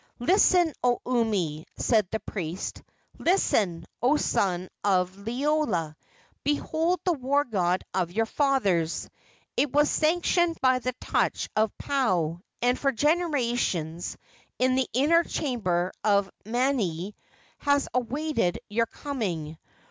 "Listen, O Umi!" said the priest; "listen, O son of Liloa! Behold the war god of your fathers! It was sanctified by the touch of Paao, and for generations, in the inner chamber of Manini, has awaited your coming.